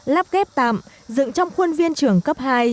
lắp ghép tạm dựng trong khuôn viên trường cấp hai